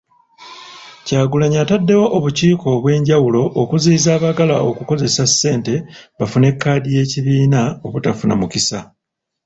Kyagulanyi ataddewo obukiiko obwenjawulo okuziyiza abaagala okukozesa ssente bafune kkaadi y'ekibiina obutafuna mukisa.